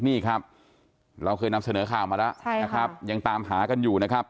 นี่ครับเราเคยนำเสนอข่าวมาแล้วนะครับยังตามหากันอยู่นะครับ